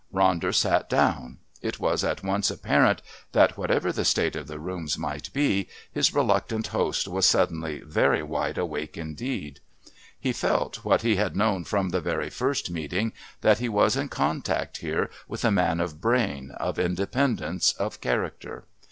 Ronder sat down. It was at once apparent that, whatever the state of the rooms might be, his reluctant host was suddenly very wide awake indeed. He felt, what he had known from the very first meeting, that he was in contact here with a man of brain, of independence, of character.